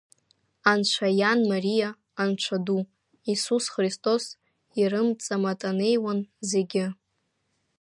Анцәа иан Мариа, Анцәа ду, Иссус Христос ирымҵаматанеиуан зегьы.